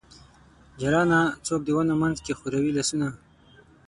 جلانه ! څوک د ونو منځ کې خوروي لاسونه ؟